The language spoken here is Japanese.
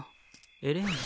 エレイン？